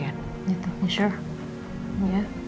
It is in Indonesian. seharusnya tiet dan bahasanya gitu the next thing